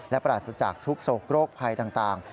และปราศจากทุกโศกโรคภัยต่าง